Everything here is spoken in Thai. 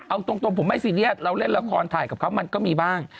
เอาตรงผมไม่ซีเรียสเราเล่นละครถ่ายกับเขามันก็มีบ้าง